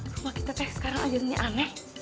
rumah kita kayak sekarang aja nih aneh